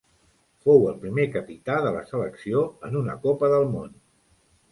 Fou el primer capità de la selecció en una Copa del Món.